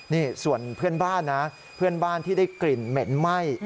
นี่ส่วนเพื่อนบ้านนะเพื่อนบ้านที่ได้กลิ่นเหม็นไหม้